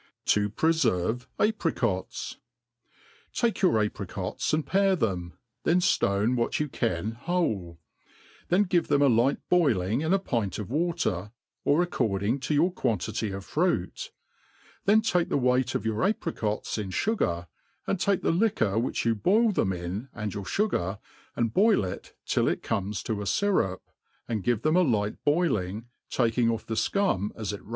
To pr^firve Apricots. TAKE your apricots and pare them, than ftone what you '• (:an> whole; then give them a light boiling in a pint of water^ or according to your quantity of fruit ; then take the weight or your apricots in fugar, and take the liquor which you boil them in and your fugar, and boil it till it comes to a fyrup, and give them a light boiling, taking off the fcum as it